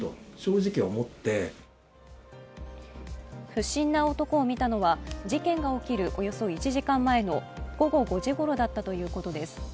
不審な男を見たのは事件が起きるおよそ１時間前の午後５時ごろだったということです